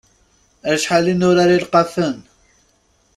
Acḥal i nurar ilqafen!